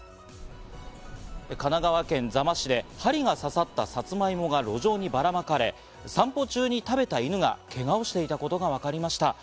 神奈川県座間市で針が刺さったサツマイモが路上にばらまかれ、散歩中に食べた犬がけがをしていたことがわかりました。